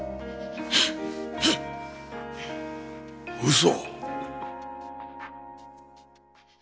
嘘。